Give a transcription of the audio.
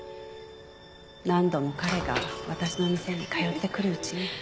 何度も彼が私の店に通ってくるうちに。